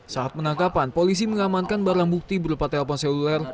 saat penangkapan polisi mengamankan barang bukti berupa telepon seluler